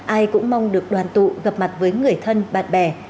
ai cũng mong được đoàn tụ gặp mặt với người thân bạn bè